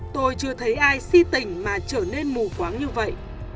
tôi chưa thấy ai si tỉnh mà trở nên mù quáng như vậy